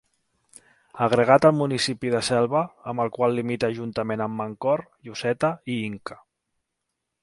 Agregat al municipi de Selva amb el qual limita juntament amb Mancor, Lloseta i Inca.